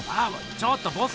ちょっとボス！